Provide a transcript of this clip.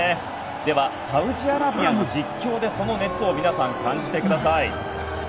ではサウジアラビアの実況でその熱を皆さん感じてください！